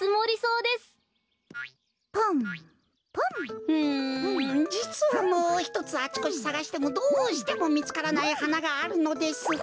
うんじつはもうひとつあちこちさがしてもどうしてもみつからないはながあるのです。